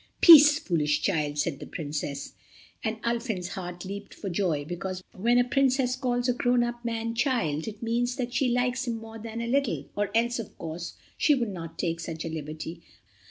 "Peace, foolish child," said the Princess, and Ulfin's heart leaped for joy because, when a Princess calls a grown up man "child," it means that she likes him more than a little, or else, of course, she would not take such a liberty.